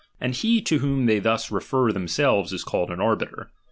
And he to whom they ^^^1 thus refer themselves, is called an arbiter.